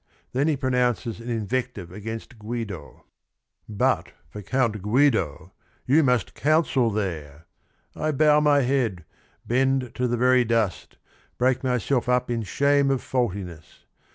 Then he pronounces an invective against Guido: "But for Count Guido, — you must counsel there 1 I bow my head, bend to the very dust, Break myself up in shame of faultiness.